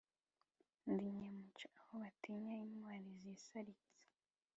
Ndi nyamuca aho batinya intwali zisalitse,